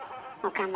岡村。